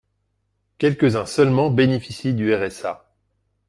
Quelques-uns seulement bénéficient du RSA.